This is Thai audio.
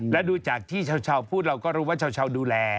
และดูจากที่ชาวพูดเราก็รู้ว่าชาวดูแล